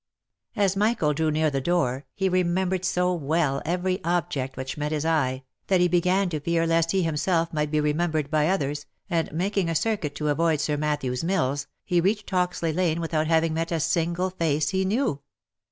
As Michael drew near the door, he remembered so well every object which met his eye, that he began to fear lest he himself might be remembered by others, and making a circuit to avoid Sir Mat thew's mills, he reached Hoxley lane without having met a single face he knew.